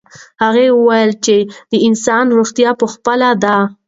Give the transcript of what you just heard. هغه وویل چې د انسان روغتیا په خپله ده.